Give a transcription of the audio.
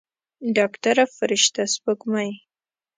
ډاکتره فرشته سپوږمۍ.